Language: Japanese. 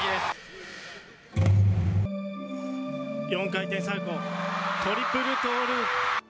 ４回転サルコー、トリプルトーループ。